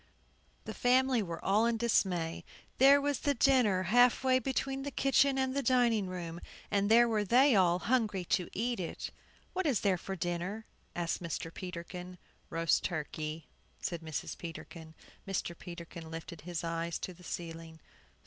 The family were all in dismay. There was the dinner, half way between the kitchen and dining room, and there were they all hungry to eat it! "What is there for dinner?" asked Mr. Peterkin. "Roast turkey," said Mrs. Peterkin. Mr. Peterkin lifted his eyes to the ceiling.